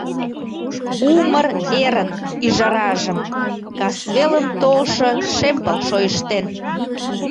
Умыр эрын ӱжаражым Касвелым толшо шем пыл шойыштен.